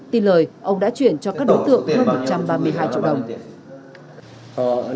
tin lời ông đã chuyển cho các đối tượng hơn một trăm ba mươi hai triệu đồng